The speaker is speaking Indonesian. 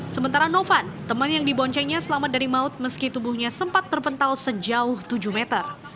sementara novan teman yang diboncengnya selamat dari maut meski tubuhnya sempat terpental sejauh tujuh meter